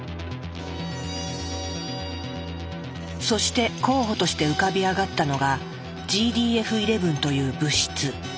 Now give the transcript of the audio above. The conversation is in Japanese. そして候補として浮かび上がったのが「ＧＤＦ１１」という物質。